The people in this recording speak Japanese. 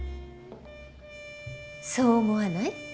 そう思わない？